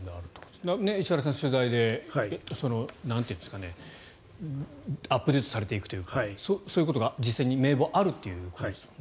石原さん、取材でアップデートされていくというかそういうことが、実際に名簿があるということですね。